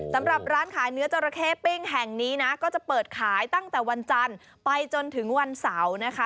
สำหรับร้านขายเนื้อจราเข้ปิ้งแห่งนี้นะก็จะเปิดขายตั้งแต่วันจันทร์ไปจนถึงวันเสาร์นะคะ